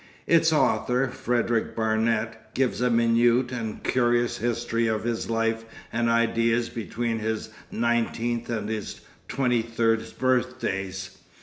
Its author, Frederick Barnet, gives a minute and curious history of his life and ideas between his nineteenth and his twenty third birthdays.